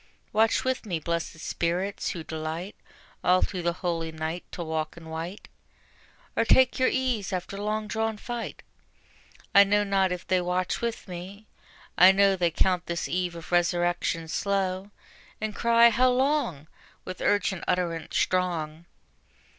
Watch with me, blessed spirits, who delight All through the holy night to walk in white, Or take your ease after the long drawn fight. I know not if they watch with me: I know They count this eve of resurrection slow, And cry, "How long?" with urgent utterance strong.